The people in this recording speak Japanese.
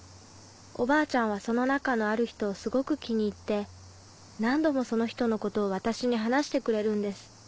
おばあちゃんはその中のある人をすごく気に入って何度もその人のことを私に話してくれるんです。